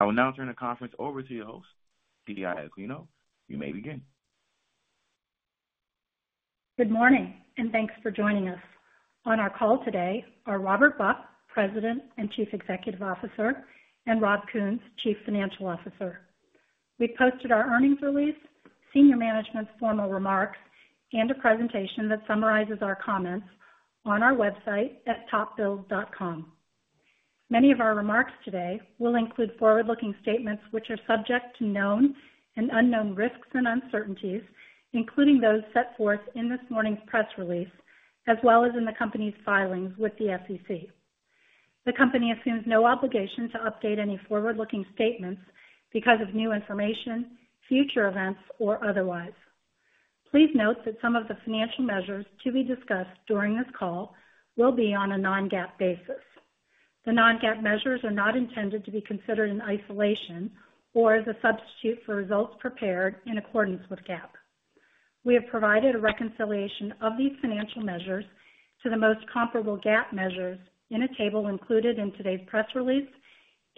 I will now turn the conference over to your host, PI Aquino. You may begin. Good morning, and thanks for joining us. On our call today are Robert Buck, President and Chief Executive Officer, and Rob Kuhns, Chief Financial Officer. We posted our earnings release, senior management's formal remarks, and a presentation that summarizes our comments on our website at Topbuild.com. Many of our remarks today will include forward-looking statements which are subject to known and unknown risks and uncertainties, including those set forth in this morning's press release as well as in the company's filings with the SEC. The company assumes no obligation to update any forward-looking statements because of new information, future events, or otherwise. Please note that some of the financial measures to be discussed during this call will be on a non-GAAP basis. The non-GAAP measures are not intended to be considered in isolation or as a substitute for results prepared in accordance with GAAP. We have provided a reconciliation of these financial measures to the most comparable GAAP measures in a table included in today's press release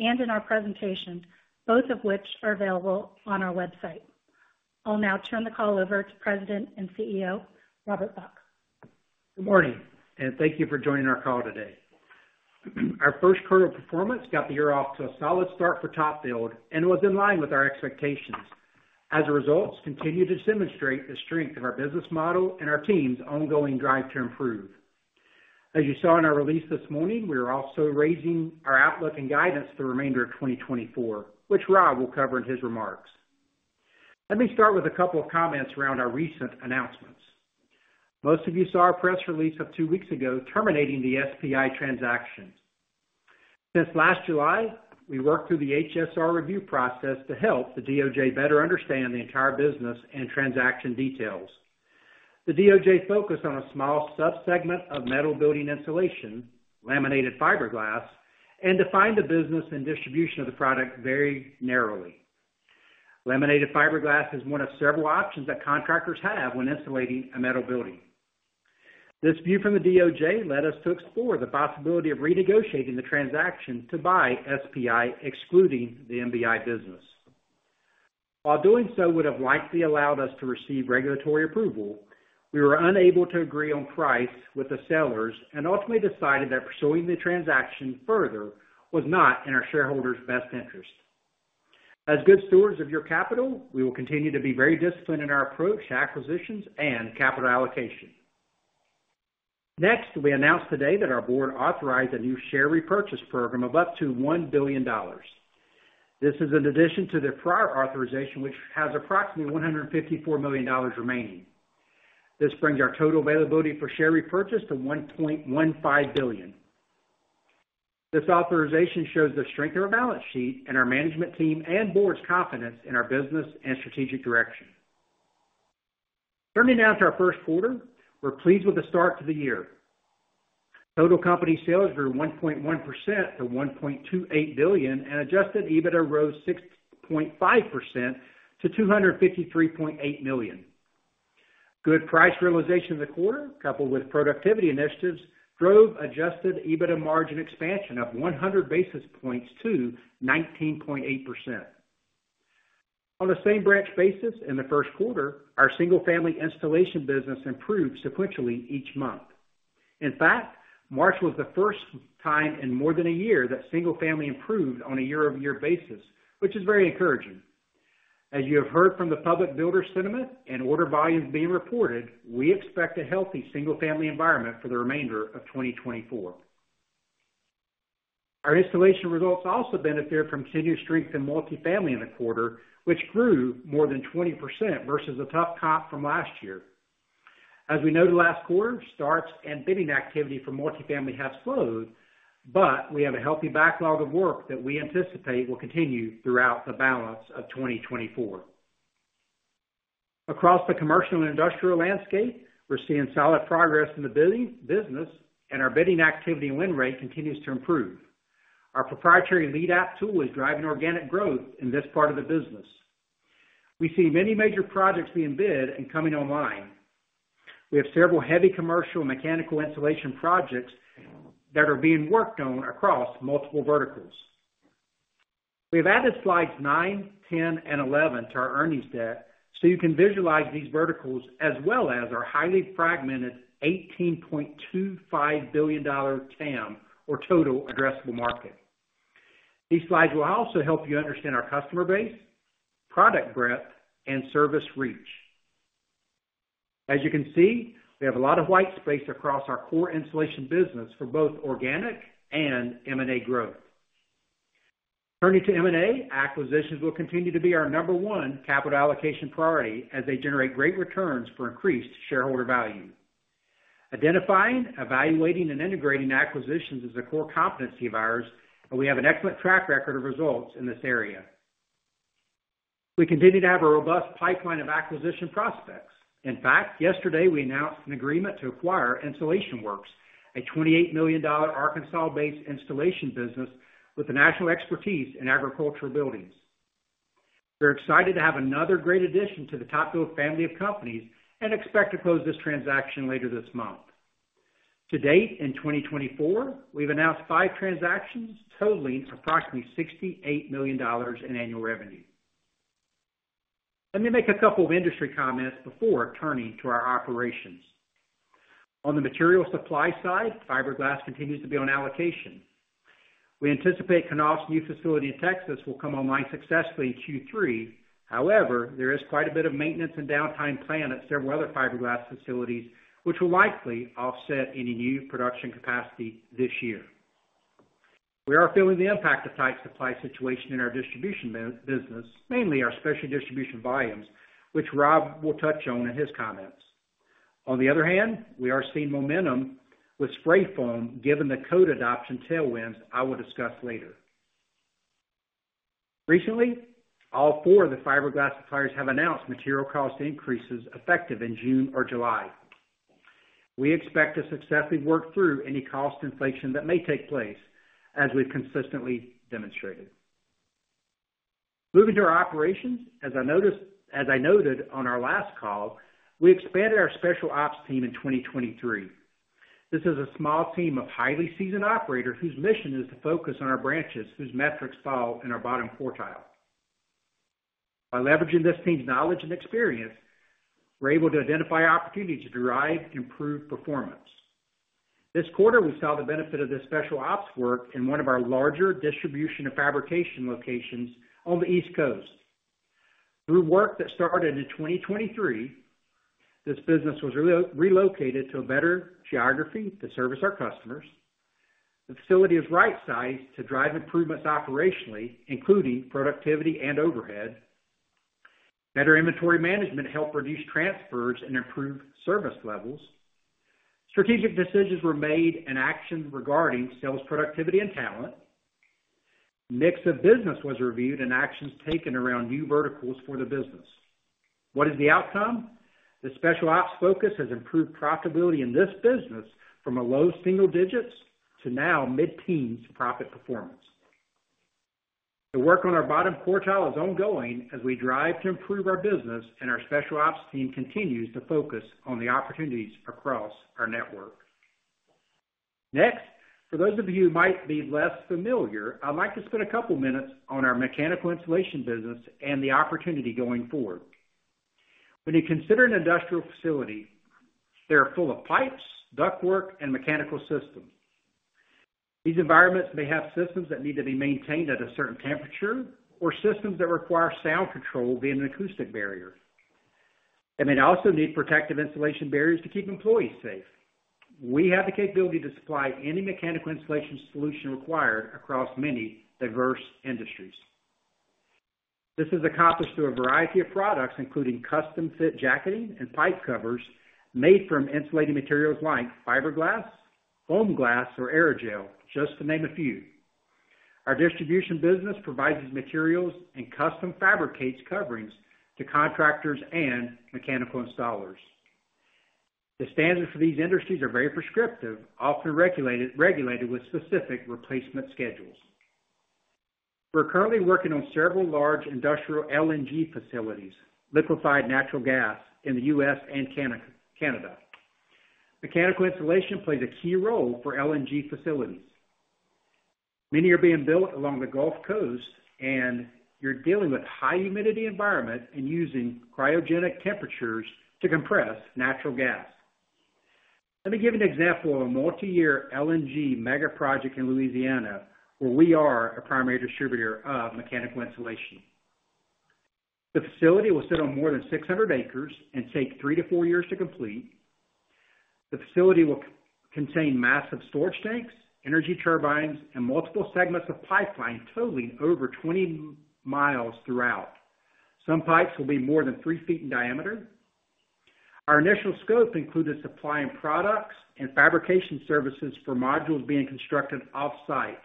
and in our presentation, both of which are available on our website. I'll now turn the call over to President and CEO Robert Buck. Good morning, and thank you for joining our call today. Our first quarter performance got the year off to a solid start for TopBuild and was in line with our expectations. As a result, it's continued to demonstrate the strength of our business model and our team's ongoing drive to improve. As you saw in our release this morning, we are also raising our outlook and guidance for the remainder of 2024, which Rob will cover in his remarks. Let me start with a couple of comments around our recent announcements. Most of you saw our press release of 2 weeks ago terminating the SPI transactions. Since last July, we worked through the HSR review process to help the DOJ better understand the entire business and transaction details. The DOJ focused on a small subsegment of metal building insulation, laminated fiberglass, and defined the business and distribution of the product very narrowly. Laminated fiberglass is one of several options that contractors have when insulating a metal building. This view from the DOJ led us to explore the possibility of renegotiating the transaction to buy SPI excluding the MBI business. While doing so would have likely allowed us to receive regulatory approval, we were unable to agree on price with the sellers and ultimately decided that pursuing the transaction further was not in our shareholders' best interest. As good stewards of your capital, we will continue to be very disciplined in our approach to acquisitions and capital allocation. Next, we announced today that our Board authorized a new share repurchase program of up to $1 billion. This is in addition to the prior authorization, which has approximately $154 million remaining. This brings our total availability for share repurchase to $1.15 billion. This authorization shows the strength of our balance sheet and our management team and Board's confidence in our business and strategic direction. Turning now to our first quarter, we're pleased with the start to the year. Total company sales grew 1.1% to $1.28 billion, and Adjusted EBITDA rose 6.5% to $253.8 million. Good price realization of the quarter, coupled with productivity initiatives, drove Adjusted EBITDA margin expansion of 100 basis points to 19.8%. On a same-branch basis in the first quarter, our single-family installation business improved sequentially each month. In fact, March was the first time in more than a year that single-family improved on a year-over-year basis, which is very encouraging. As you have heard from the public builder sentiment and order volumes being reported, we expect a healthy single-family environment for the remainder of 2024. Our installation results also benefited from continued strength in multifamily in the quarter, which grew more than 20% versus the tough comp from last year. As we know, the last quarter, starts and bidding activity for multifamily have slowed, but we have a healthy backlog of work that we anticipate will continue throughout the balance of 2024. Across the commercial and industrial landscape, we're seeing solid progress in the business, and our bidding activity win rate continues to improve. Our proprietary lead app tool is driving organic growth in this part of the business. We see many major projects being bid and coming online. We have several heavy commercial mechanical insulation projects that are being worked on across multiple verticals. We have added slides 9, 10, and 11 to our earnings deck so you can visualize these verticals as well as our highly fragmented $18.25 billion TAM or total addressable market. These slides will also help you understand our customer base, product breadth, and service reach. As you can see, we have a lot of white space across our core insulation business for both organic and M&A growth. Turning to M&A, acquisitions will continue to be our number 1 capital allocation priority as they generate great returns for increased shareholder value. Identifying, evaluating, and integrating acquisitions is a core competency of ours, and we have an excellent track record of results in this area. We continue to have a robust pipeline of acquisition prospects. In fact, yesterday we announced an agreement to acquire Insulation Works, a $28 million Arkansas-based installation business with a national expertise in agricultural buildings. We're excited to have another great addition to the TopBuild family of companies and expect to close this transaction later this month. To date in 2024, we've announced 5 transactions totaling approximately $68 million in annual revenue. Let me make a couple of industry comments before turning to our operations. On the material supply side, fiberglass continues to be on allocation. We anticipate Knauf's new facility in Texas will come online successfully in Q3. However, there is quite a bit of maintenance and downtime planned at several other fiberglass facilities, which will likely offset any new production capacity this year. We are feeling the impact of tight supply situation in our distribution business, mainly our specialty distribution volumes, which Rob will touch on in his comments. On the other hand, we are seeing momentum with spray foam given the code adoption tailwinds I will discuss later. Recently, all four of the fiberglass suppliers have announced material cost increases effective in June or July. We expect to successfully work through any cost inflation that may take place, as we've consistently demonstrated. Moving to our operations, as I noted on our last call, we expanded our Special Ops team in 2023. This is a small team of highly seasoned operators whose mission is to focus on our branches, whose metrics fall in our bottom quartile. By leveraging this team's knowledge and experience, we're able to identify opportunities to drive improved performance. This quarter, we saw the benefit of this Special Ops work in one of our larger distribution and fabrication locations on the East Coast. Through work that started in 2023, this business was relocated to a better geography to service our customers. The facility was right-sized to drive improvements operationally, including productivity and overhead. Better inventory management helped reduce transfers and improve service levels. Strategic decisions were made and actions regarding sales productivity and talent. A mix of business was reviewed and actions taken around new verticals for the business. What is the outcome? The Special Ops focus has improved profitability in this business from a low single digits to now mid-teens profit performance. The work on our bottom quartile is ongoing as we drive to improve our business, and our Special Ops team continues to focus on the opportunities across our network. Next, for those of you who might be less familiar, I'd like to spend a couple of minutes on our mechanical insulation business and the opportunity going forward. When you consider an industrial facility, they are full of pipes, ductwork, and mechanical systems. These environments may have systems that need to be maintained at a certain temperature or systems that require sound control via an acoustic barrier. They may also need protective insulation barriers to keep employees safe. We have the capability to supply any mechanical insulation solution required across many diverse industries. This is accomplished through a variety of products, including custom-fit jacketing and pipe covers made from insulating materials like fiberglass, foam glass, or aerogel, just to name a few. Our distribution business provides these materials and custom fabricates coverings to contractors and mechanical installers. The standards for these industries are very prescriptive, often regulated with specific replacement schedules. We're currently working on several large industrial LNG facilities, liquefied natural gas, in the U.S. and Canada. Mechanical insulation plays a key role for LNG facilities. Many are being built along the Gulf Coast, and you're dealing with high humidity environments and using cryogenic temperatures to compress natural gas. Let me give an example of a multi-year LNG mega project in Louisiana where we are a primary distributor of mechanical insulation. The facility will sit on more than 600 acres and take 3-4 years to complete. The facility will contain massive storage tanks, energy turbines, and multiple segments of pipeline totaling over 20 miles throughout. Some pipes will be more than 3 feet in diameter. Our initial scope included supplying products and fabrication services for modules being constructed off-site.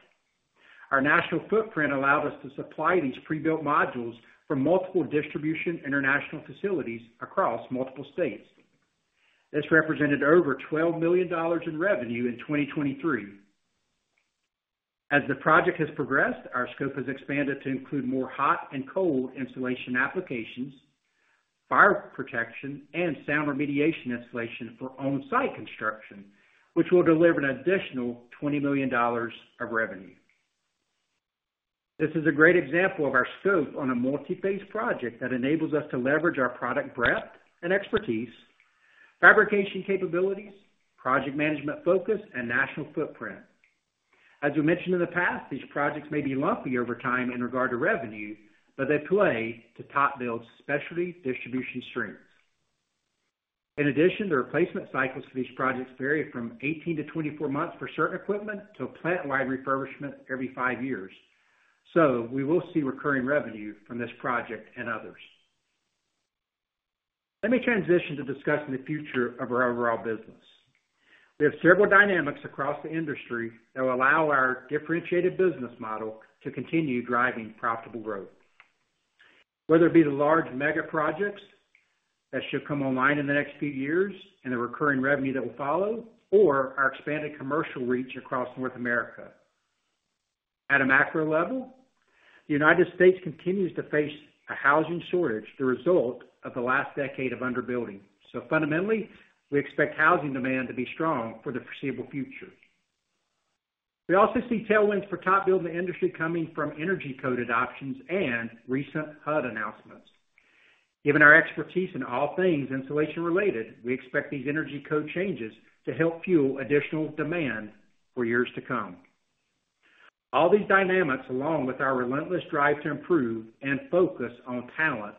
Our national footprint allowed us to supply these pre-built modules from multiple distribution international facilities across multiple states. This represented over $12 million in revenue in 2023. As the project has progressed, our scope has expanded to include more hot and cold insulation applications, fire protection, and sound remediation insulation for on-site construction, which will deliver an additional $20 million of revenue. This is a great example of our scope on a multi-phase project that enables us to leverage our product breadth and expertise, fabrication capabilities, project management focus, and national footprint. As we mentioned in the past, these projects may be lumpy over time in regard to revenue, but they play to TopBuild's specialty distribution strengths. In addition, the replacement cycles for these projects vary from 18-24 months for certain equipment to plant-wide refurbishment every five years. We will see recurring revenue from this project and others. Let me transition to discussing the future of our overall business. We have several dynamics across the industry that will allow our differentiated business model to continue driving profitable growth, whether it be the large mega projects that should come online in the next few years and the recurring revenue that will follow, or our expanded commercial reach across North America. At a macro level, the United States continues to face a housing shortage, the result of the last decade of underbuilding. So fundamentally, we expect housing demand to be strong for the foreseeable future. We also see tailwinds for TopBuild in the industry coming from energy code adoptions and recent HUD announcements. Given our expertise in all things insulation-related, we expect these energy code changes to help fuel additional demand for years to come. All these dynamics, along with our relentless drive to improve and focus on talent,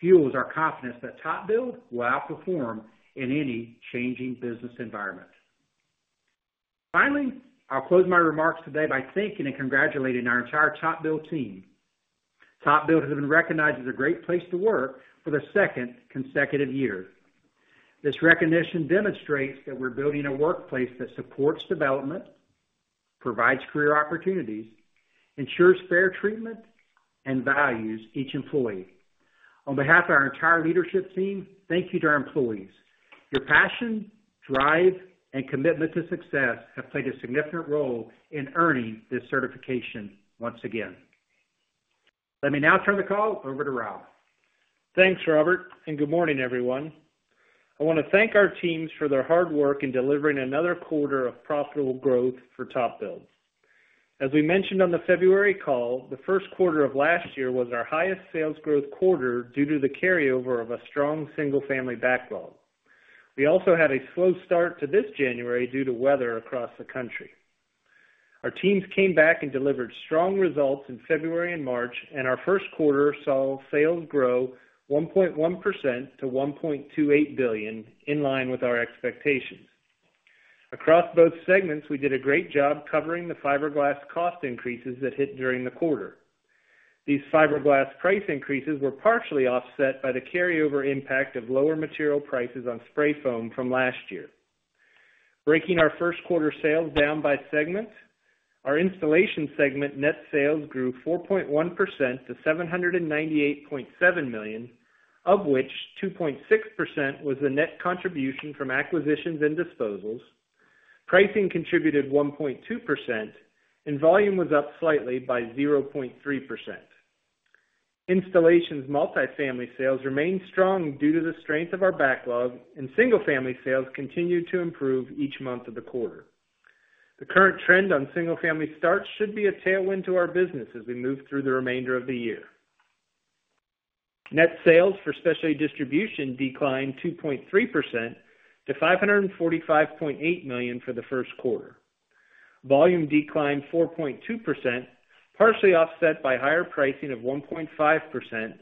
fuels our confidence that TopBuild will outperform in any changing business environment. Finally, I'll close my remarks today by thanking and congratulating our entire TopBuild team. TopBuild has been recognized as a great place to work for the second consecutive year. This recognition demonstrates that we're building a workplace that supports development, provides career opportunities, ensures fair treatment, and values each employee. On behalf of our entire leadership team, thank you to our employees. Your passion, drive, and commitment to success have played a significant role in earning this certification once again. Let me now turn the call over to Rob. Thanks, Robert, and good morning, everyone. I want to thank our teams for their hard work in delivering another quarter of profitable growth for TopBuild. As we mentioned on the February call, the first quarter of last year was our highest sales growth quarter due to the carryover of a strong single-family backlog. We also had a slow start to this January due to weather across the country. Our teams came back and delivered strong results in February and March, and our first quarter saw sales grow 1.1% to $1.28 billion in line with our expectations. Across both segments, we did a great job covering the fiberglass cost increases that hit during the quarter. These fiberglass price increases were partially offset by the carryover impact of lower material prices on spray foam from last year. Breaking our first quarter sales down by segment, our installation segment net sales grew 4.1% to $798.7 million, of which 2.6% was the net contribution from acquisitions and disposals. Pricing contributed 1.2%, and volume was up slightly by 0.3%. Installation's multifamily sales remained strong due to the strength of our backlog, and single-family sales continued to improve each month of the quarter. The current trend on single-family starts should be a tailwind to our business as we move through the remainder of the year. Net sales for specialty distribution declined 2.3% to $545.8 million for the first quarter. Volume declined 4.2%, partially offset by higher pricing of 1.5%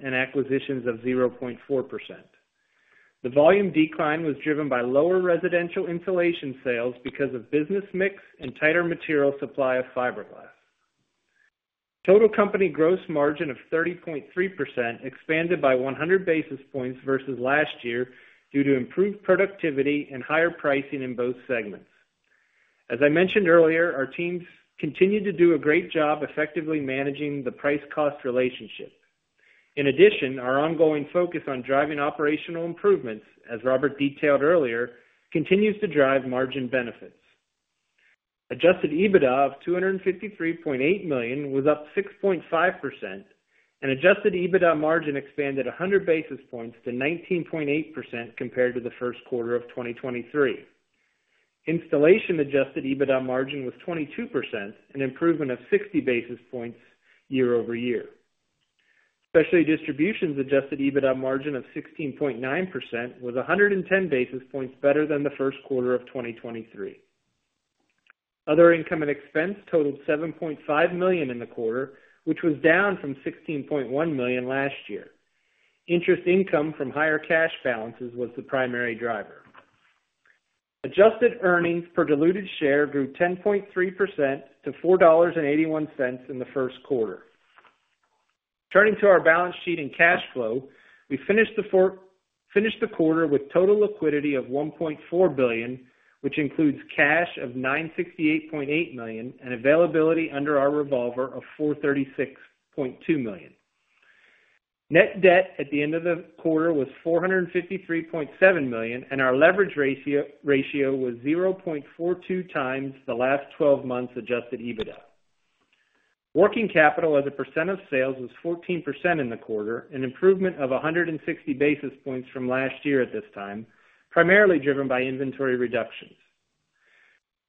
and acquisitions of 0.4%. The volume decline was driven by lower residential insulation sales because of business mix and tighter material supply of fiberglass. Total company gross margin of 30.3% expanded by 100 basis points versus last year due to improved productivity and higher pricing in both segments. As I mentioned earlier, our teams continue to do a great job effectively managing the price-cost relationship. In addition, our ongoing focus on driving operational improvements, as Robert detailed earlier, continues to drive margin benefits. Adjusted EBITDA of $253.8 million was up 6.5%, and Adjusted EBITDA margin expanded 100 basis points to 19.8% compared to the first quarter of 2023. Installation Adjusted EBITDA margin was 22%, an improvement of 60 basis points year-over-year. Specialty distribution's Adjusted EBITDA margin of 16.9% was 110 basis points better than the first quarter of 2023. Other income and expense totaled $7.5 million in the quarter, which was down from $16.1 million last year. Interest income from higher cash balances was the primary driver. Adjusted earnings per diluted share grew 10.3% to $4.81 in the first quarter. Turning to our balance sheet and cash flow, we finished the quarter with total liquidity of $1.4 billion, which includes cash of $968.8 million and availability under our revolver of $436.2 million. Net debt at the end of the quarter was $453.7 million, and our leverage ratio was 0.42x the last 12 months' Adjusted EBITDA. Working capital, as a percent of sales, was 14% in the quarter, an improvement of 160 basis points from last year at this time, primarily driven by inventory reductions.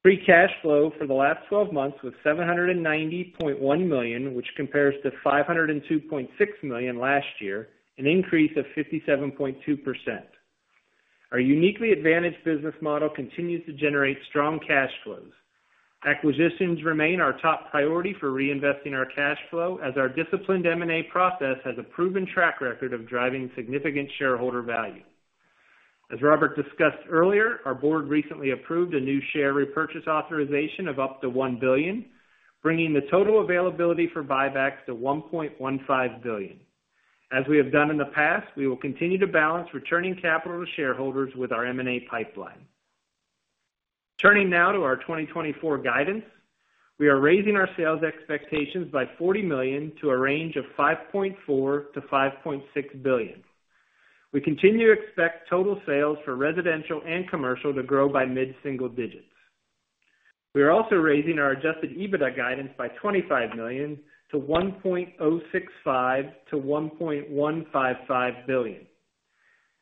Free cash flow for the last 12 months was $790.1 million, which compares to $502.6 million last year, an increase of 57.2%. Our uniquely advantaged business model continues to generate strong cash flows. Acquisitions remain our top priority for reinvesting our cash flow, as our disciplined M&A process has a proven track record of driving significant shareholder value. As Robert discussed earlier, our Board recently approved a new share repurchase authorization of up to $1 billion, bringing the total availability for buybacks to $1.15 billion. As we have done in the past, we will continue to balance returning capital to shareholders with our M&A pipeline. Turning now to our 2024 guidance, we are raising our sales expectations by $40 million to a range of $5.4 billion-$5.6 billion. We continue to expect total sales for residential and commercial to grow by mid-single digits. We are also raising our Adjusted EBITDA guidance by $25 million to $1.065 billion-$1.155 billion.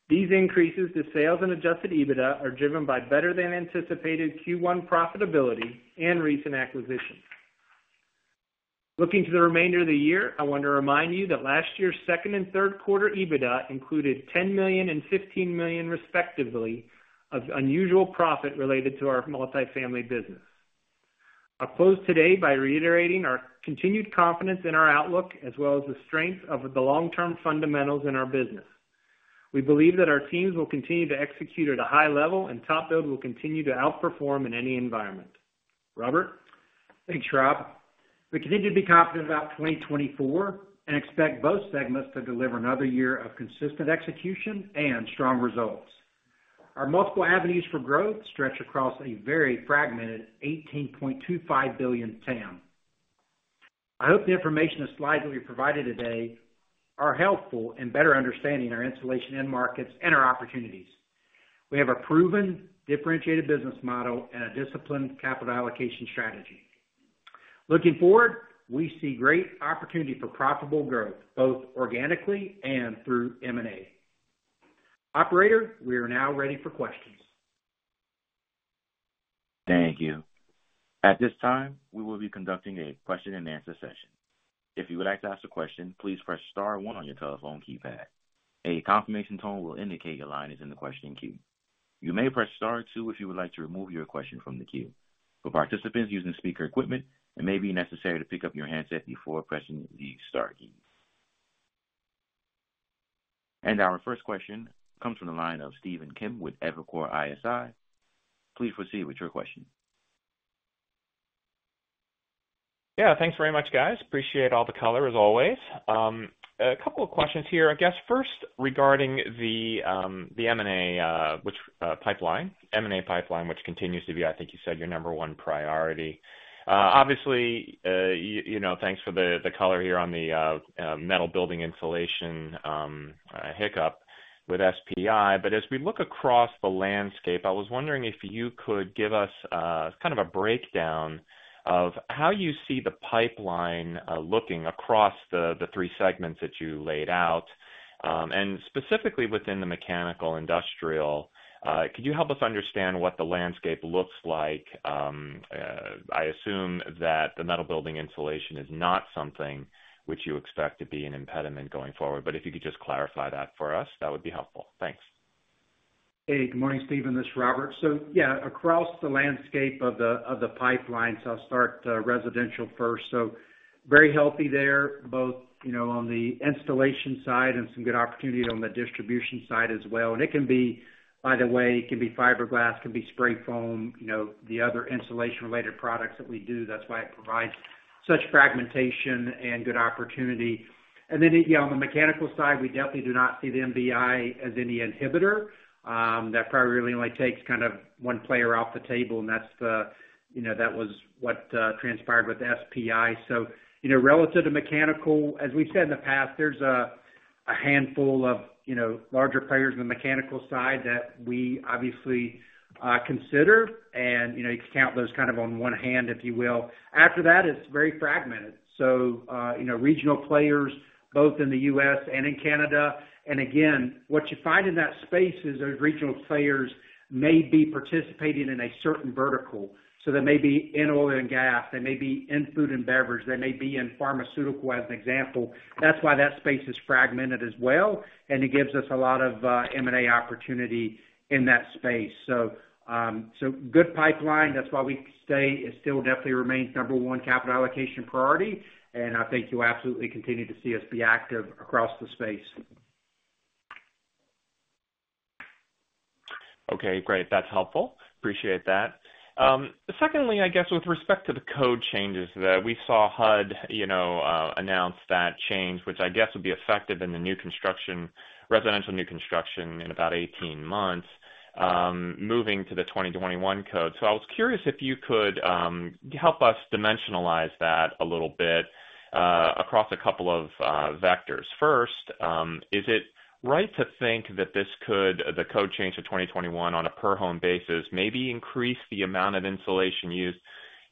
These increases to sales and Adjusted EBITDA are driven by better-than-anticipated Q1 profitability and recent acquisitions. Looking to the remainder of the year, I want to remind you that last year's second and third quarter EBITDA included $10 million and $15 million, respectively, of unusual profit related to our multifamily business. I'll close today by reiterating our continued confidence in our outlook, as well as the strength of the long-term fundamentals in our business. We believe that our teams will continue to execute at a high level, and TopBuild will continue to outperform in any environment. Robert? Thanks, Rob. We continue to be confident about 2024 and expect both segments to deliver another year of consistent execution and strong results. Our multiple avenues for growth stretch across a very fragmented $18.25 billion TAM. I hope the information and slides that we've provided today are helpful in better understanding our insulation end markets and our opportunities. We have a proven, differentiated business model and a disciplined capital allocation strategy. Looking forward, we see great opportunity for profitable growth, both organically and through M&A. Operator, we are now ready for questions. Thank you. At this time, we will be conducting a question-and-answer session. If you would like to ask a question, please press star one on your telephone keypad. A confirmation tone will indicate your line is in the question queue. You may press star two if you would like to remove your question from the queue. For participants using speaker equipment, it may be necessary to pick up your handset before pressing the star key. Our first question comes from the line of Stephen Kim with Evercore ISI. Please proceed with your question. Yeah, thanks very much, guys. Appreciate all the color, as always. A couple of questions here, I guess, first regarding the M&A pipeline, which continues to be, I guess you said, your number one priority. Obviously, thanks for the color here on the metal building insulation hiccup with SPI. But as we look across the landscape, I was wondering if you could give us kind of a breakdown of how you see the pipeline looking across the three segments that you laid out. And specifically within the mechanical-industrial, could you help us understand what the landscape looks like? I assume that the metal building insulation is not something which you expect to be an impediment going forward, but if you could just clarify that for us, that would be helpful. Thanks. Hey, good morning, Stephen. This is Robert. So yeah, across the landscape of the pipelines, I'll start residential first. So very healthy there, both on the installation side and some good opportunity on the distribution side as well. And it can be, by the way, it can be fiberglass, it can be spray foam, the other insulation-related products that we do. That's why it provides such fragmentation and good opportunity. And then on the mechanical side, we definitely do not see the MBI as any inhibitor. That probably really only takes kind of one player off the table, and that was what transpired with SPI. So relative to mechanical, as we've said in the past, there's a handful of larger players on the mechanical side that we obviously consider, and you could count those kind of on one hand, if you will. After that, it's very fragmented. So regional players, both in the U.S. and in Canada. And again, what you find in that space is those regional players may be participating in a certain vertical. So they may be in oil and gas, they may be in food and beverage, they may be in pharmaceutical, as an example. That's why that space is fragmented as well, and it gives us a lot of M&A opportunity in that space. So good pipeline, that's why we say it still definitely remains number one capital allocation priority, and I think you'll absolutely continue to see us be active across the space. Okay, great. That's helpful. Appreciate that. Secondly, I guess, with respect to the code changes there, we saw HUD announce that change, which I guess would be effective in the residential new construction in about 18 months, moving to the 2021 code. So I was curious if you could help us dimensionalize that a little bit across a couple of vectors. First, is it right to think that the code change to 2021 on a per-home basis maybe increase the amount of insulation used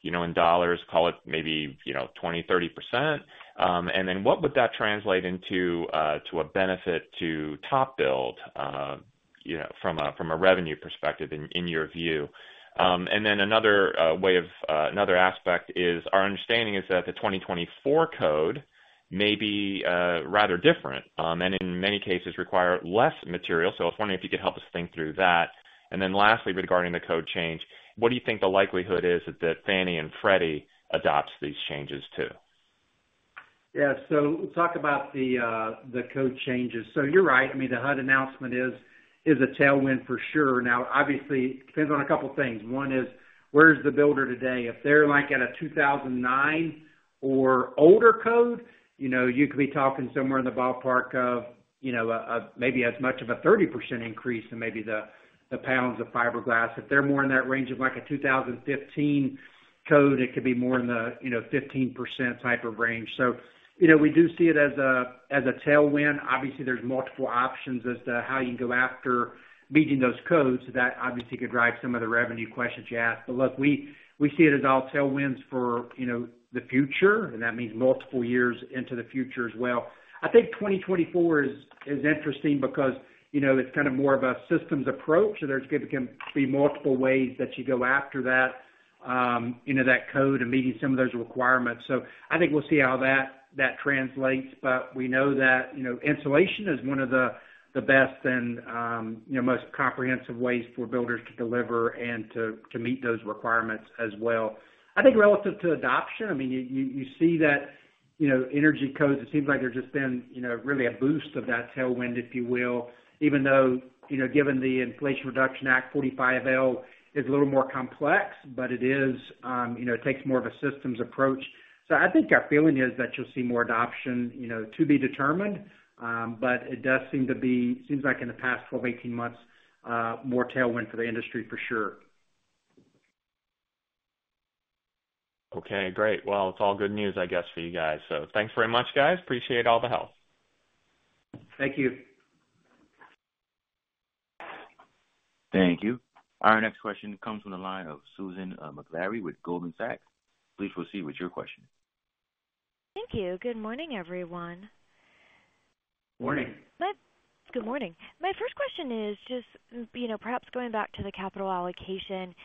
in dollars, call it maybe 20%-30%? And then what would that translate into a benefit to TopBuild from a revenue perspective, in your view? And then another way of another aspect is our understanding is that the 2024 code may be rather different and in many cases require less material. So I was wondering if you could help us think through that. And then lastly, regarding the code change, what do you think the likelihood is that Fannie Mae and Freddie Mac adopt these changes to? Yeah, so talk about the code changes. So you're right. I mean, the HUD announcement is a tailwind for sure. Now, obviously, it depends on a couple of things. One is, where's the builder today? If they're at a 2009 or older code, you could be talking somewhere in the ballpark of maybe as much of a 30% increase in maybe the pounds of fiberglass. If they're more in that range of a 2015 code, it could be more in the 15% type of range. So we do see it as a tailwind. Obviously, there's multiple options as to how you can go after meeting those codes that obviously could drive some of the revenue questions you asked. But look, we see it as all tailwinds for the future, and that means multiple years into the future as well. I think 2024 is interesting because it's kind of more of a systems approach, so there can be multiple ways that you go after that code and meeting some of those requirements. So I think we'll see how that translates, but we know that insulation is one of the best and most comprehensive ways for builders to deliver and to meet those requirements as well. I think relative to adoption, I mean, you see that energy codes; it seems like there's just been really a boost of that tailwind, if you will, even though given the Inflation Reduction Act 45L is a little more complex, but it takes more of a systems approach. So I think our feeling is that you'll see more adoption. To be determined, but it does seem like in the past 12-18 months, more tailwind for the industry for sure. Okay, great. Well, it's all good news, I guess, for you guys. Thanks very much, guys. Appreciate all the help. Thank you. Thank you. Our next question comes from the line of Susan Maklari with Goldman Sachs. Please proceed with your question. Thank you. Good morning, everyone. Morning. Good morning. My first question is just perhaps going back to the capital allocation.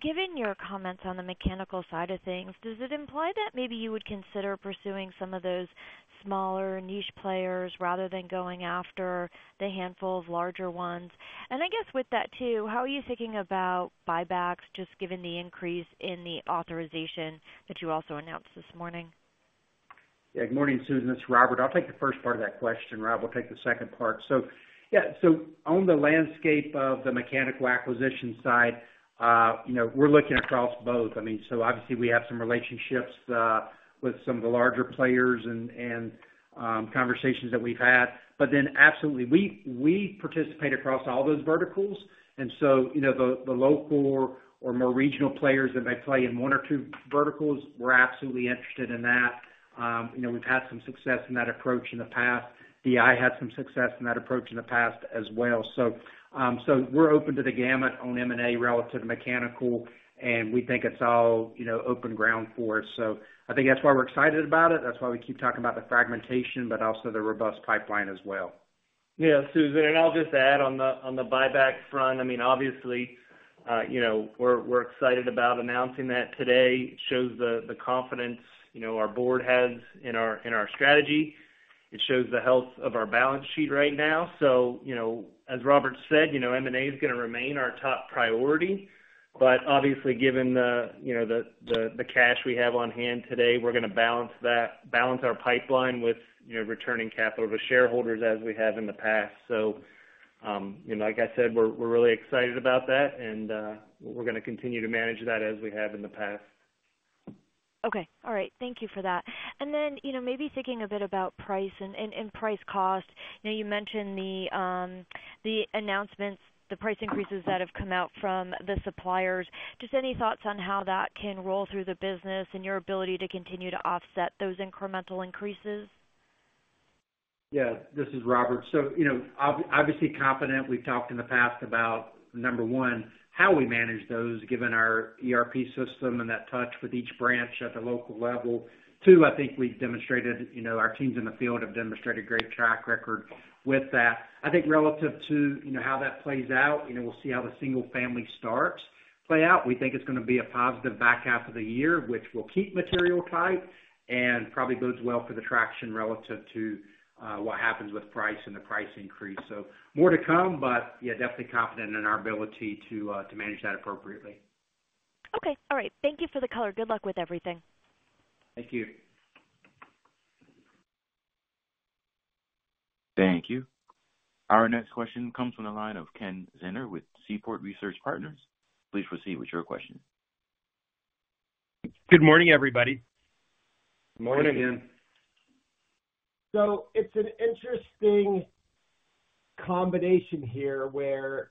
Given your comments on the mechanical side of things, does it imply that maybe you would consider pursuing some of those smaller niche players rather than going after the handful of larger ones? And I guess with that too, how are you thinking about buybacks, just given the increase in the authorization that you also announced this morning? Yeah, good morning, Susan. This is Robert. I'll take the first part of that question, Rob. We'll take the second part. So yeah, so on the landscape of the mechanical acquisition side, we're looking across both. I mean, so obviously, we have some relationships with some of the larger players and conversations that we've had. But then absolutely, we participate across all those verticals. And so the local or more regional players that may play in one or two verticals, we're absolutely interested in that. We've had some success in that approach in the past. DI had some success in that approach in the past as well. So we're open to the gamut on M&A relative to mechanical, and we think it's all open ground for us. So I think that's why we're excited about it. That's why we keep talking about the fragmentation, but also the robust pipeline as well. Yeah, Susan, and I'll just add on the buyback front, I mean, obviously, we're excited about announcing that today. It shows the confidence our Board has in our strategy. It shows the health of our balance sheet right now. So as Robert said, M&A is going to remain our top priority. But obviously, given the cash we have on hand today, we're going to balance our pipeline with returning capital to shareholders as we have in the past. So like I said, we're really excited about that, and we're going to continue to manage that as we have in the past. Okay. All right. Thank you for that. And then maybe thinking a bit about price and price cost, you mentioned the announcements, the price increases that have come out from the suppliers. Just any thoughts on how that can roll through the business and your ability to continue to offset those incremental increases? Yeah, this is Robert. So, obviously confident. We've talked in the past about, number 1, how we manage those given our ERP system and that touch with each branch at the local level. 2, I think we've demonstrated our teams in the field have demonstrated great track record with that. I think relative to how that plays out, we'll see how the single-family starts play out. We think it's going to be a positive back half of the year, which will keep material tight and probably bodes well for the traction relative to what happens with price and the price increase. So more to come, but yeah, definitely confident in our ability to manage that appropriately. Okay. All right. Thank you for the color. Good luck with everything. Thank you. Thank you. Our next question comes from the line of Kenneth Zener with Seaport Research Partners. Please proceed with your question. Good morning, everybody. Morning. Hey, Ken. It's an interesting combination here where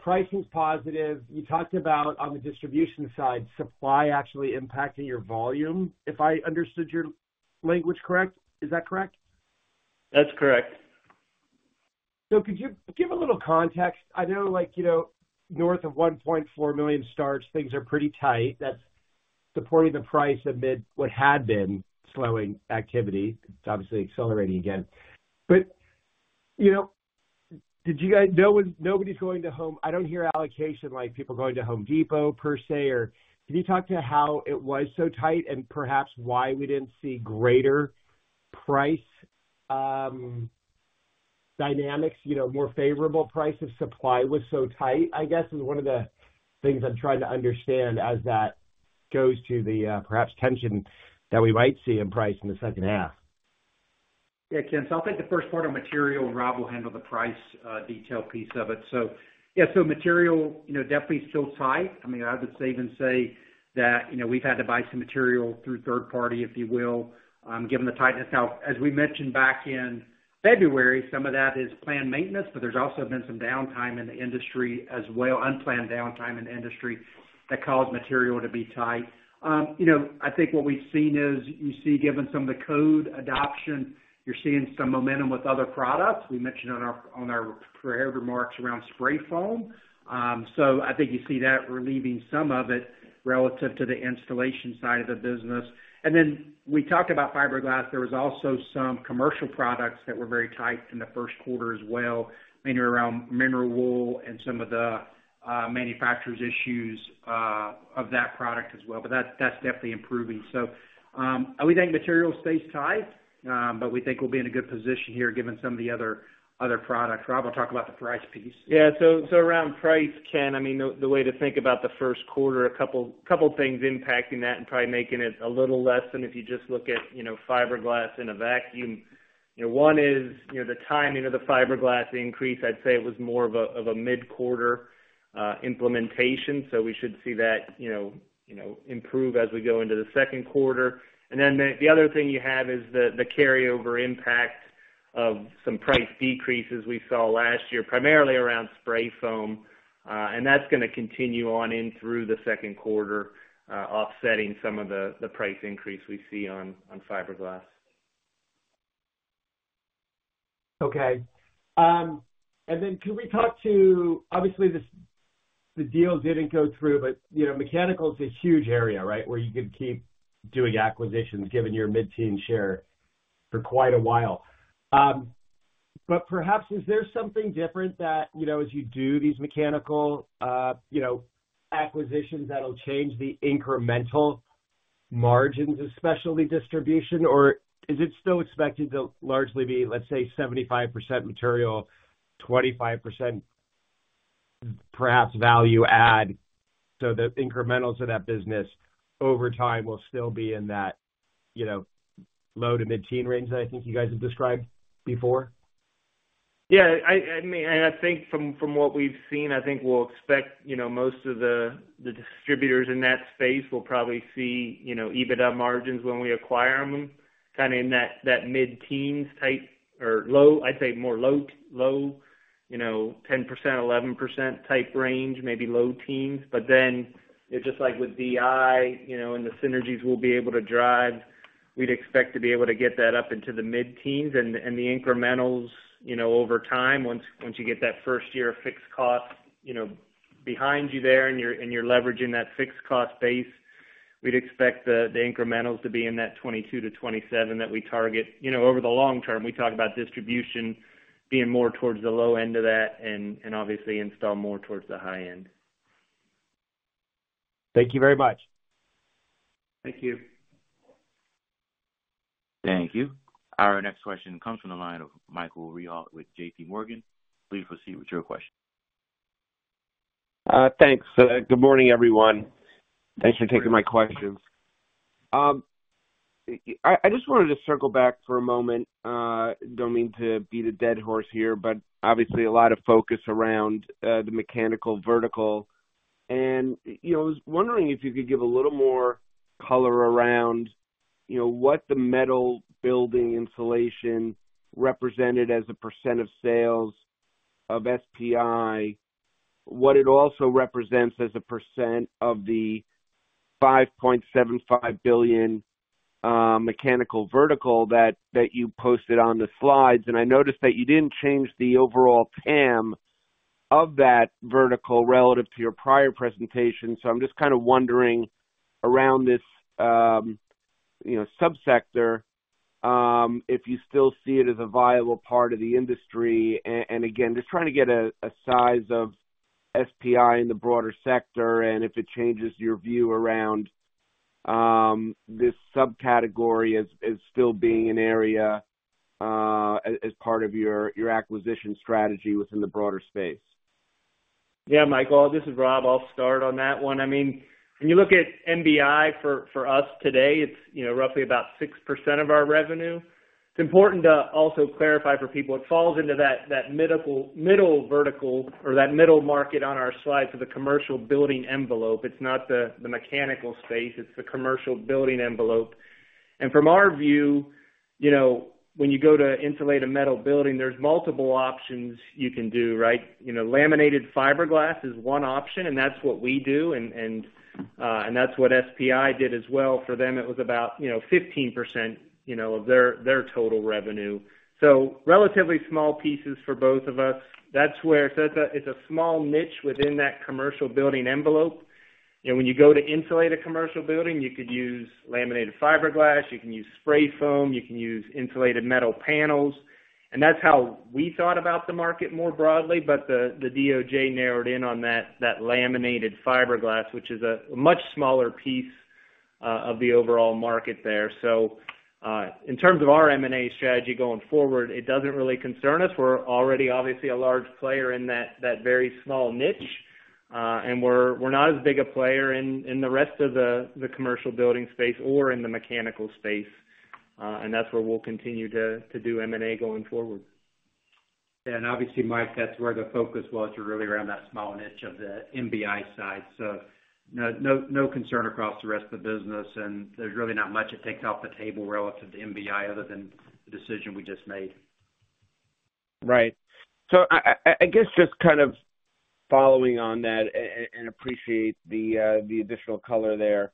pricing's positive. You talked about on the distribution side, supply actually impacting your volume, if I understood your language correct. Is that correct? That's correct. So could you give a little context? I know north of 1.4 million starts, things are pretty tight. That's supporting the price amid what had been slowing activity. It's obviously accelerating again. But did you guys know nobody's going to Home Depot? I don't hear allocation like people going to Home Depot, per se, or can you talk to how it was so tight and perhaps why we didn't see greater price dynamics, more favorable price if supply was so tight, I guess, is one of the things I'm trying to understand as that goes to the perhaps tension that we might see in price in the second half. Yeah, Ken, so I'll take the first part on material. Rob will handle the price detail piece of it. So yeah, so material definitely still tight. I mean, I would save and say that we've had to buy some material through third-party, if you will, given the tightness. Now, as we mentioned back in February, some of that is planned maintenance, but there's also been some downtime in the industry as well, unplanned downtime in the industry that caused material to be tight. I think what we've seen is you see given some of the code adoption, you're seeing some momentum with other products. We mentioned on our prior remarks around spray foam. So I think you see that relieving some of it relative to the installation side of the business. And then we talked about fiberglass. There was also some commercial products that were very tight in the first quarter as well, mainly around mineral wool and some of the manufacturer's issues of that product as well. But that's definitely improving. We think material stays tight, but we think we'll be in a good position here given some of the other products. Rob will talk about the price piece. Yeah, so around price, Ken, I mean, the way to think about the first quarter, a couple of things impacting that and probably making it a little less than if you just look at fiberglass in a vacuum. One is the timing of the fiberglass increase. I'd say it was more of a mid-quarter implementation, so we should see that improve as we go into the second quarter. And then the other thing you have is the carryover impact of some price decreases we saw last year, primarily around spray foam. And that's going to continue on in through the second quarter, offsetting some of the price increase we see on fiberglass. Okay. And then can we talk to obviously, the deal didn't go through, but mechanical is a huge area, right, where you could keep doing acquisitions given your mid-teens share for quite a while. But perhaps is there something different that as you do these mechanical acquisitions that'll change the incremental margins of specialty distribution, or is it still expected to largely be, let's say, 75% material, 25% perhaps value add? So the incrementals of that business over time will still be in that low to mid-teens range that I think you guys have described before? Yeah, I mean, and I think from what we've seen, I think we'll expect most of the distributors in that space will probably see EBITDA margins when we acquire them kind of in that mid-teens type or low, I'd say more low, 10%-11% type range, maybe low teens. But then just like with DI and the synergies we'll be able to drive, we'd expect to be able to get that up into the mid-teens. And the incrementals over time, once you get that first year of fixed costs behind you there and you're leveraging that fixed cost base, we'd expect the incrementals to be in that 22-27 that we target over the long term. We talk about distribution being more towards the low end of that and obviously install more towards the high end. Thank you very much. Thank you. Thank you. Our next question comes from the line of Michael Rehaut with JPMorgan. Please proceed with your question. Thanks. Good morning, everyone. Thanks for taking my questions. I just wanted to circle back for a moment. Don't mean to beat a dead horse here, but obviously, a lot of focus around the mechanical vertical. And I was wondering if you could give a little more color around what the metal building insulation represented as a % of sales of SPI, what it also represents as a % of the $5.75 billion mechanical vertical that you posted on the slides. And I noticed that you didn't change the overall TAM of that vertical relative to your prior presentation. So I'm just kind of wondering around this subsector if you still see it as a viable part of the industry. Again, just trying to get a size of SPI in the broader sector and if it changes your view around this subcategory as still being an area as part of your acquisition strategy within the broader space? Yeah, Michael, this is Rob. I'll start on that one. I mean, when you look at MBI for us today, it's roughly about 6% of our revenue. It's important to also clarify for people, it falls into that middle vertical or that middle market on our slides of the commercial building envelope. It's not the mechanical space. It's the commercial building envelope. And from our view, when you go to insulate a metal building, there's multiple options you can do, right? Laminated fiberglass is one option, and that's what we do. And that's what SPI did as well. For them, it was about 15% of their total revenue. So relatively small pieces for both of us. So it's a small niche within that commercial building envelope. When you go to insulate a commercial building, you could use laminated fiberglass. You can use spray foam. You can use insulated metal panels. And that's how we thought about the market more broadly. But the DOJ narrowed in on that laminated fiberglass, which is a much smaller piece of the overall market there. So in terms of our M&A strategy going forward, it doesn't really concern us. We're already, obviously, a large player in that very small niche. And we're not as big a player in the rest of the commercial building space or in the mechanical space. And that's where we'll continue to do M&A going forward. Yeah, and obviously, Mike, that's where the focus was, really, around that small niche of the MBI side. So no concern across the rest of the business. And there's really not much that takes off the table relative to MBI other than the decision we just made. Right. So I guess just kind of following on that and appreciate the additional color there.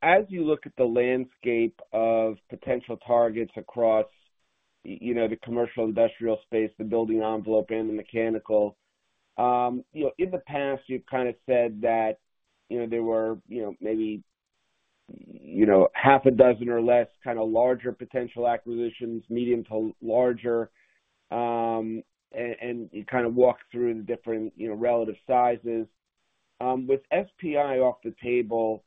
As you look at the landscape of potential targets across the commercial, industrial space, the building envelope, and the mechanical, in the past, you've kind of said that there were maybe half a dozen or less kind of larger potential acquisitions, medium to larger, and you kind of walked through the different relative sizes. With SPI off the table,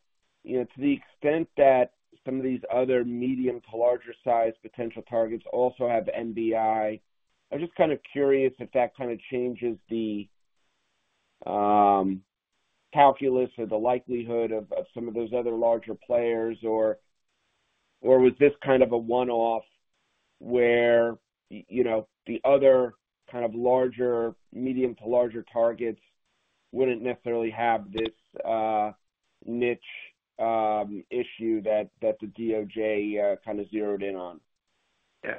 to the extent that some of these other medium to larger size potential targets also have MBI, I'm just kind of curious if that kind of changes the calculus or the likelihood of some of those other larger players, or was this kind of a one-off where the other kind of medium to larger targets wouldn't necessarily have this niche issue that the DOJ kind of zeroed in on? Yeah.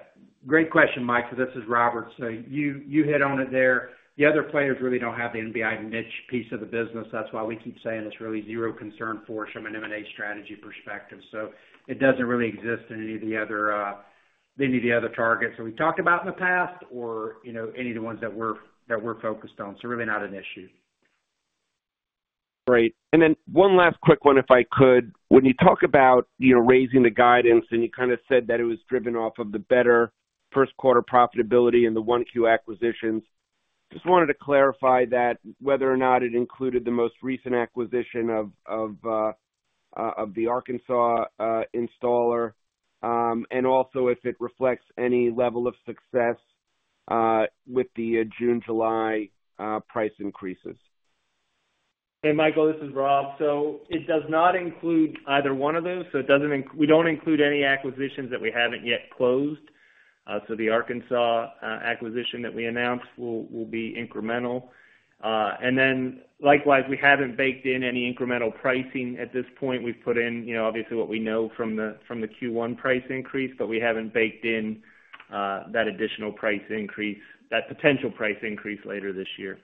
Great question, Mike, because this is Robert. So you hit on it there. The other players really don't have the MBI niche piece of the business. That's why we keep saying it's really zero concern for us from an M&A strategy perspective. So it doesn't really exist in any of the other targets that we've talked about in the past or any of the ones that we're focused on. So really not an issue. Great. And then one last quick one, if I could. When you talk about raising the guidance, and you kind of said that it was driven off of the better first-quarter profitability and the 1Q acquisitions, just wanted to clarify that whether or not it included the most recent acquisition of the Arkansas installer and also if it reflects any level of success with the June, July price increases. Hey, Michael, this is Rob. So it does not include either one of those. So we don't include any acquisitions that we haven't yet closed. So the Arkansas acquisition that we announced will be incremental. And then likewise, we haven't baked in any incremental pricing at this point. We've put in, obviously, what we know from the Q1 price increase, but we haven't baked in that additional price increase, that potential price increase later this year.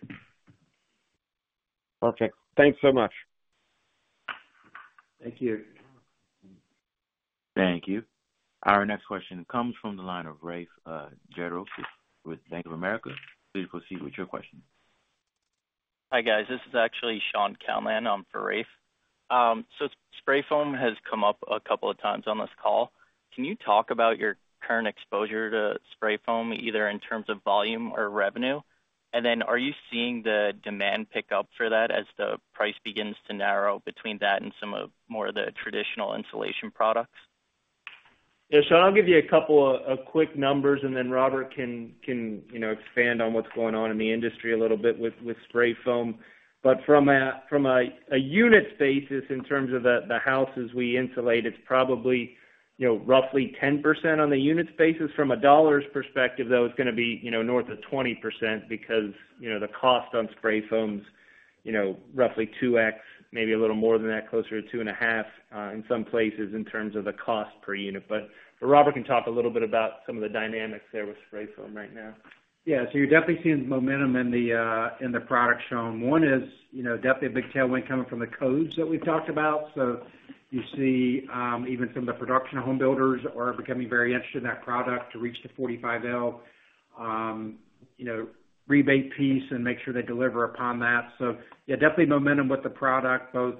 Perfect. Thanks so much. Thank you. Thank you. Our next question comes from the line of Rafe Jadrosich with Bank of America. Please proceed with your question. Hi, guys. This is actually Shaun Calnan. I'm for Rafe. So spray foam has come up a couple of times on this call. Can you talk about your current exposure to spray foam, either in terms of volume or revenue? And then are you seeing the demand pick up for that as the price begins to narrow between that and some of more of the traditional insulation products? Yeah, Shaun, I'll give you a couple of quick numbers, and then Robert can expand on what's going on in the industry a little bit with spray foam. But from a unit basis, in terms of the houses we insulate, it's probably roughly 10% on the unit basis. From a dollar's perspective, though, it's going to be north of 20% because the cost on spray foam's roughly 2x, maybe a little more than that, closer to 2.5 in some places in terms of the cost per unit. But Robert can talk a little bit about some of the dynamics there with spray foam right now. Yeah, so you're definitely seeing momentum in the product, Sean. One is definitely a big tailwind coming from the codes that we've talked about. So you see even some of the production home builders are becoming very interested in that product to reach the 45L rebate piece and make sure they deliver upon that. So yeah, definitely momentum with the product, both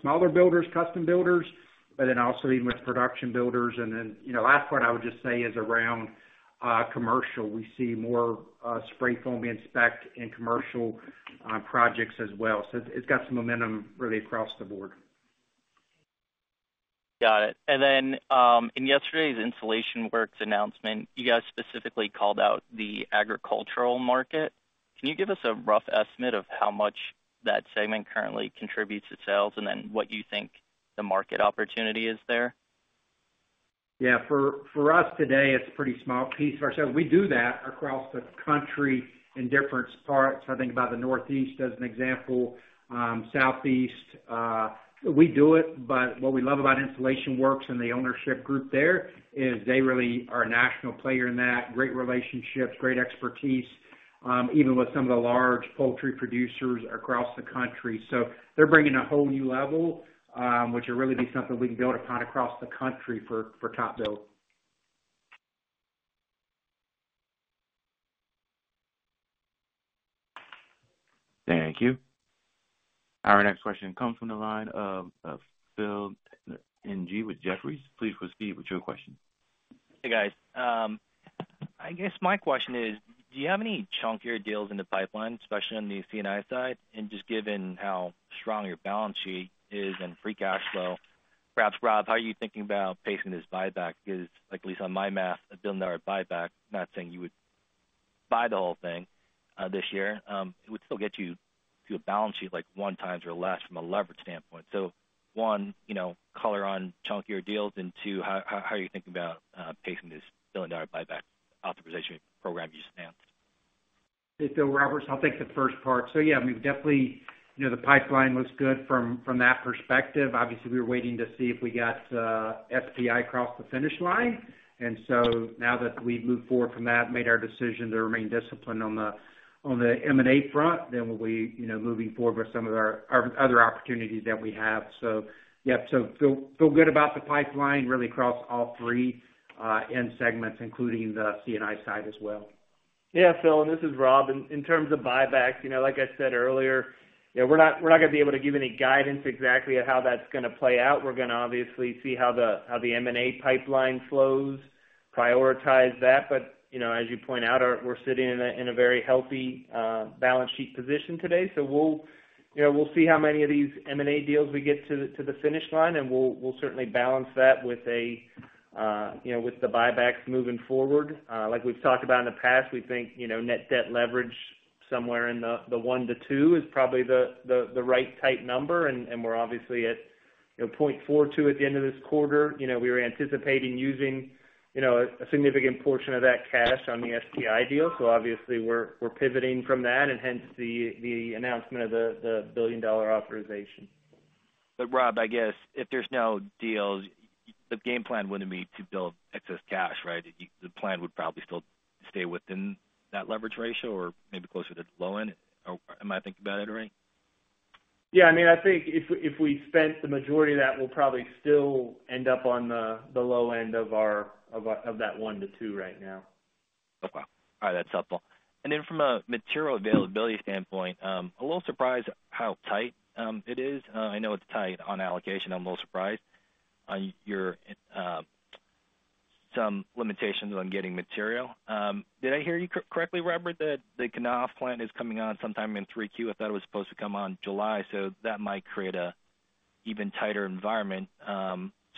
smaller builders, custom builders, but then also even with production builders. And then last part I would just say is around commercial. We see more spray foam being specced in commercial projects as well. So it's got some momentum really across the board. Got it. And then in yesterday's InsulationWorks announcement, you guys specifically called out the agricultural market. Can you give us a rough estimate of how much that segment currently contributes to sales and then what you think the market opportunity is there? Yeah, for us today, it's a pretty small piece of our sales. We do that across the country in different parts. I think about the Northeast as an example, Southeast. We do it, but what we love about InsulationWorks and the ownership group there is they really are a national player in that, great relationships, great expertise, even with some of the large poultry producers across the country. So they're bringing a whole new level, which would really be something we can build upon across the country for TopBuild. Thank you. Our next question comes from the line of Phil Ng with Jefferies. Please proceed with your question. Hey, guys. I guess my question is, do you have any chunkier deals in the pipeline, especially on the C&I side? And just given how strong your balance sheet is and free cash flow, perhaps, Rob, how are you thinking about pacing this buyback? Because at least on my math, a billion-dollar buyback, I'm not saying you would buy the whole thing this year. It would still get you to a balance sheet one times or less from a leverage standpoint. So one, color on chunkier deals, and two, how are you thinking about pacing this billion-dollar buyback authorization program you just announced? Hey, Phil, Robert, I'll take the first part. So yeah, I mean, definitely, the pipeline looks good from that perspective. Obviously, we were waiting to see if we got SPI across the finish line. And so now that we've moved forward from that, made our decision to remain disciplined on the M&A front, then we'll be moving forward with some of our other opportunities that we have. So yeah, so feel good about the pipeline, really, across all three end segments, including the C&I side as well. Yeah, Phil, and this is Rob. In terms of buybacks, like I said earlier, we're not going to be able to give any guidance exactly at how that's going to play out. We're going to obviously see how the M&A pipeline flows, prioritize that. But as you point out, we're sitting in a very healthy balance sheet position today. So we'll see how many of these M&A deals we get to the finish line, and we'll certainly balance that with the buybacks moving forward. Like we've talked about in the past, we think net debt leverage somewhere in the 1-2 is probably the right type number. And we're obviously at 0.42 at the end of this quarter. We were anticipating using a significant portion of that cash on the SPI deal. So obviously, we're pivoting from that and hence the announcement of the billion-dollar authorization. But Rob, I guess if there's no deals, the game plan wouldn't be to build excess cash, right? The plan would probably still stay within that leverage ratio or maybe closer to the low end? Am I thinking about it right? Yeah, I mean, I think if we spent the majority of that, we'll probably still end up on the low end of that 1-2 right now. Okay. All right, that's helpful. And then from a material availability standpoint, a little surprised how tight it is. I know it's tight on allocation. I'm a little surprised. There are some limitations on getting material. Did I hear you correctly, Robert, that the Knauf plan is coming on sometime in 3Q? I thought it was supposed to come on July. So that might create an even tighter environment.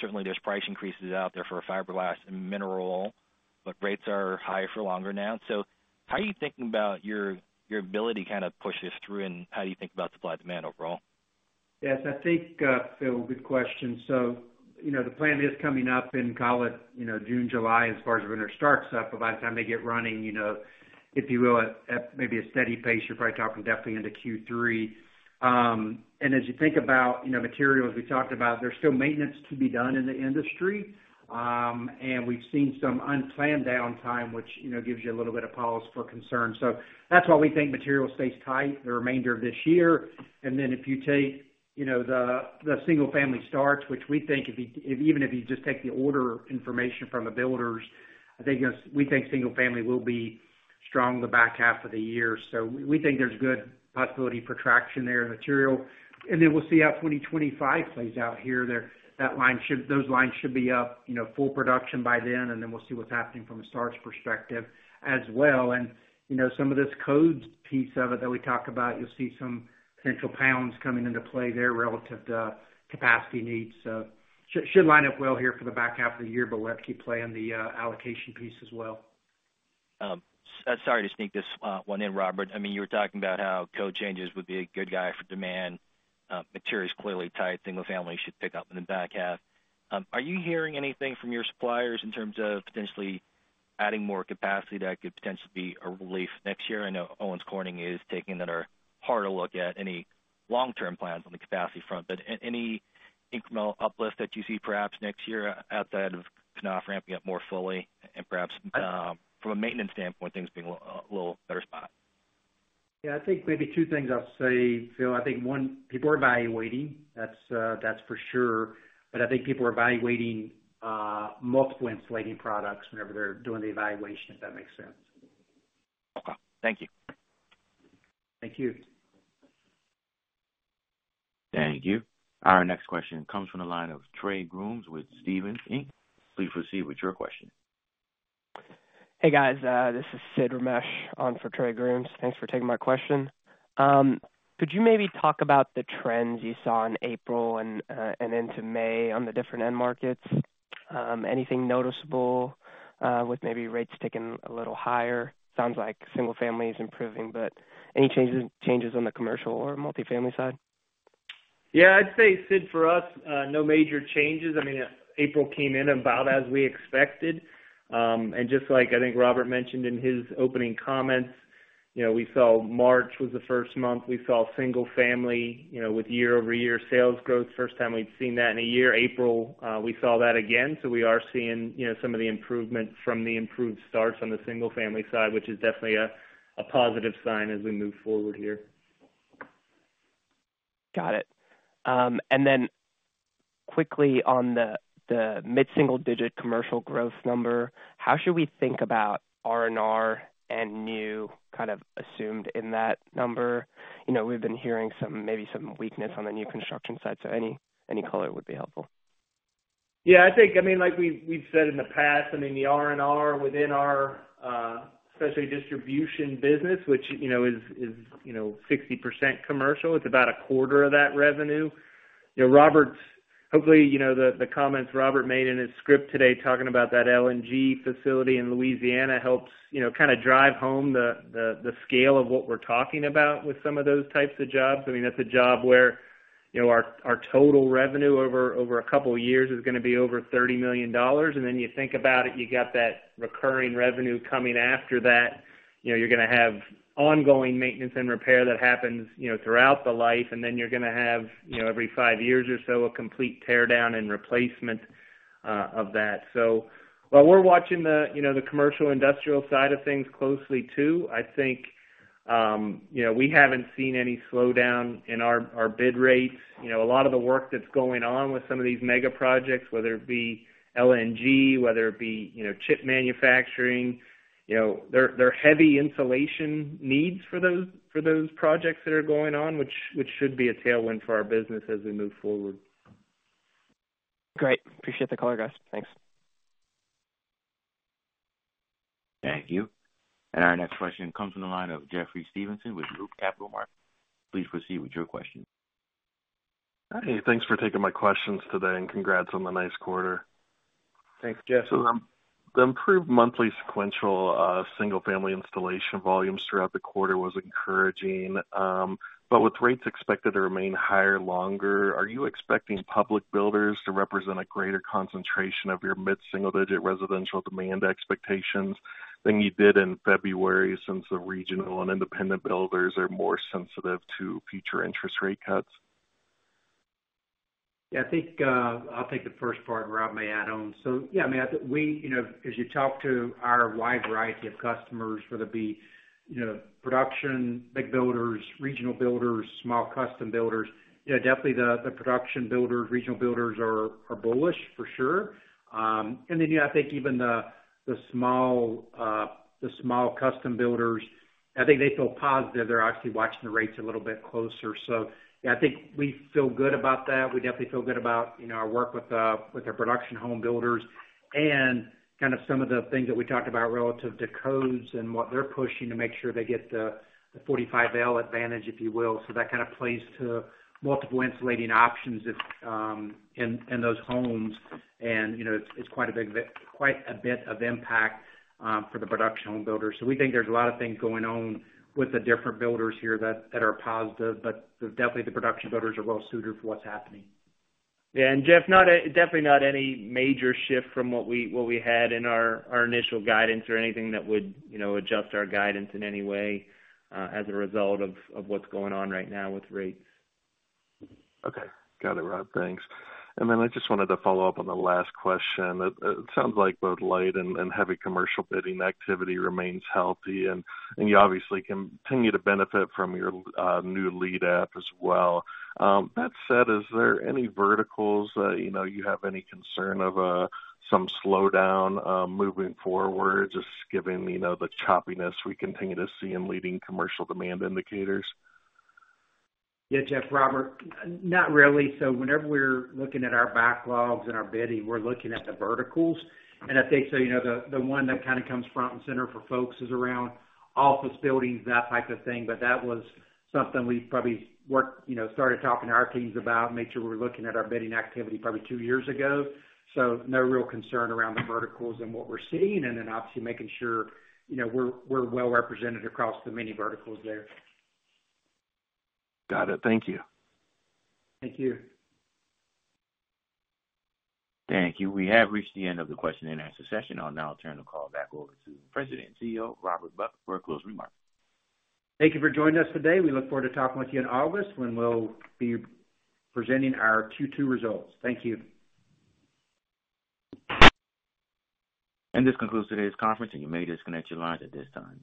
Certainly, there's price increases out there for fiberglass and mineral, but rates are higher for longer now. So how are you thinking about your ability to kind of push this through, and how do you think about supply-demand overall? Yes, I think, Phil, good question. So the plan is coming up and call it June, July as far as when it starts up. But by the time they get running, if you will, at maybe a steady pace, you're probably talking definitely into Q3. And as you think about materials, we talked about, there's still maintenance to be done in the industry. And we've seen some unplanned downtime, which gives you a little bit of pause for concern. So that's why we think material stays tight the remainder of this year. And then if you take the single-family starts, which we think even if you just take the order information from the builders, I think we think single-family will be strong the back half of the year. So we think there's good possibility for traction there in material. And then we'll see how 2025 plays out here. Those lines should be up, full production by then, and then we'll see what's happening from a starts perspective as well. And some of this code's piece of it that we talk about, you'll see some central pounds coming into play there relative to capacity needs. So should line up well here for the back half of the year, but we'll have to keep playing the allocation piece as well. Sorry to sneak this one in, Robert. I mean, you were talking about how code changes would be a tailwind for demand. Material is clearly tight. Single-family should pick up in the back half. Are you hearing anything from your suppliers in terms of potentially adding more capacity that could potentially be a relief next year? I know Owens Corning is taking a harder look at any long-term plans on the capacity front. But any incremental uplift that you see perhaps next year outside of Knauf ramping up more fully and perhaps from a maintenance standpoint, things being a little better spot? Yeah, I think maybe two things I'll say, Phil. I think one, people are evaluating. That's for sure. But I think people are evaluating multiple insulating products whenever they're doing the evaluation, if that makes sense. Okay. Thank you. Thank you. Thank you. Our next question comes from the line of Trey Grooms with Stephens Inc. Please proceed with your question. Hey, guys. This is Sid Ramesh on for Trey Grooms. Thanks for taking my question. Could you maybe talk about the trends you saw in April and into May on the different end markets? Anything noticeable with maybe rates taking a little higher? Sounds like single-family is improving, but any changes on the commercial or multifamily side? Yeah, I'd say, Sid, for us, no major changes. I mean, April came in about as we expected. And just like I think Robert mentioned in his opening comments, we saw March was the first month. We saw single-family with year-over-year sales growth, first time we'd seen that in a year. April, we saw that again. So we are seeing some of the improvement from the improved starts on the single-family side, which is definitely a positive sign as we move forward here. Got it. And then quickly on the mid-single-digit commercial growth number, how should we think about R&R and new kind of assumed in that number? We've been hearing maybe some weakness on the new construction side. So any color would be helpful. Yeah, I think, I mean, like we've said in the past, I mean, the R&R within our specialty distribution business, which is 60% commercial, it's about a quarter of that revenue. Hopefully, the comments Robert made in his script today talking about that LNG facility in Louisiana helps kind of drive home the scale of what we're talking about with some of those types of jobs. I mean, that's a job where our total revenue over a couple of years is going to be over $30 million. And then you think about it, you got that recurring revenue coming after that. You're going to have ongoing maintenance and repair that happens throughout the life, and then you're going to have every five years or so a complete teardown and replacement of that. So while we're watching the commercial industrial side of things closely, too, I think we haven't seen any slowdown in our bid rates. A lot of the work that's going on with some of these mega projects, whether it be LNG, whether it be chip manufacturing, they're heavy insulation needs for those projects that are going on, which should be a tailwind for our business as we move forward. Great. Appreciate the color, guys. Thanks. Thank you. And our next question comes from the line of Jeffrey Stevenson with Loop Capital Markets. Please proceed with your question. Hey, thanks for taking my questions today, and congrats on the nice quarter. Thanks, Jeff. So the improved monthly sequential single-family installation volumes throughout the quarter was encouraging. But with rates expected to remain higher longer, are you expecting public builders to represent a greater concentration of your mid-single-digit residential demand expectations than you did in February since the regional and independent builders are more sensitive to future interest rate cuts? Yeah, I think I'll take the first part, Rob, may add on. So yeah, I mean, as you talk to our wide variety of customers, whether it be production, big builders, regional builders, small custom builders, definitely the production builders, regional builders are bullish for sure. And then I think even the small custom builders, I think they feel positive. They're actually watching the rates a little bit closer. So yeah, I think we feel good about that. We definitely feel good about our work with our production home builders and kind of some of the things that we talked about relative to codes and what they're pushing to make sure they get the 45L advantage, if you will. So that kind of plays to multiple insulating options in those homes, and it's quite a bit of impact for the production home builders. We think there's a lot of things going on with the different builders here that are positive, but definitely the production builders are well-suited for what's happening. Yeah, and Jeff, definitely not any major shift from what we had in our initial guidance or anything that would adjust our guidance in any way as a result of what's going on right now with rates. Okay. Got it, Rob. Thanks. And then I just wanted to follow up on the last question. It sounds like both light and heavy commercial bidding activity remains healthy, and you obviously continue to benefit from your new lead app as well. That said, is there any verticals that you have any concern of some slowdown moving forward, just given the choppiness we continue to see in leading commercial demand indicators? Yeah, Jeff, Robert, not really. So whenever we're looking at our backlogs and our bidding, we're looking at the verticals. And I think so the one that kind of comes front and center for folks is around office buildings, that type of thing. But that was something we probably started talking to our teams about, made sure we were looking at our bidding activity probably two years ago. So no real concern around the verticals and what we're seeing, and then obviously making sure we're well-represented across the many verticals there. Got it. Thank you. Thank you. Thank you. We have reached the end of the question-and-answer session. I'll now turn the call back over to President and CEO Robert Buck. For a closing remark. Thank you for joining us today. We look forward to talking with you in August when we'll be presenting our Q2 results. Thank you. This concludes today's conference, and you may disconnect your lines at this time.